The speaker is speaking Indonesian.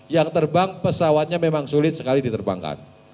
yang terbang pesawatnya memang sulit sekali diterbangkan